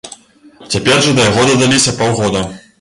Цяпер жа да яго дадаліся паўгода.